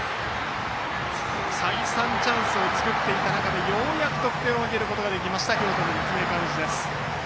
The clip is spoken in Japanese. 再三、チャンスを作っていた中でようやく得点を挙げられた京都の立命館宇治です。